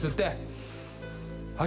はい。